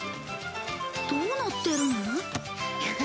どうなってるの？